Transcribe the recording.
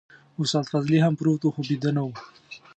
استاد فضلي هم پروت و خو بيده نه و.